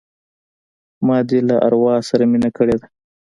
ما دي له اروا سره مینه کړې ده